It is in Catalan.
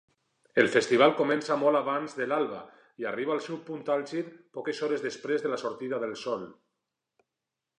El festival comença molt abans de l'alba i arriba el seu punt àlgid poques hores després de la sortida del sol.